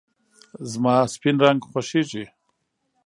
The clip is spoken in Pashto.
زما سپین رنګ خوښېږي .